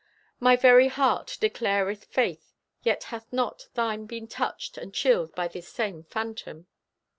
My very heart declareth faith, yet hath not thine Been touched and chilled by this same phantom?